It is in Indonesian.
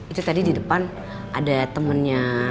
itu tadi di depan ada temennya